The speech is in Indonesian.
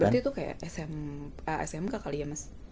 berarti itu kayak smk kali ya mas